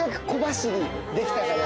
できたから。